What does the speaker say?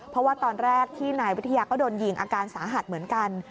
เพราะว่าตอนแรกที่นายวิทยาก็โดนยิงอาการสาหัสเหมือนกัน